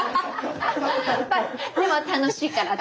でも楽しいからって。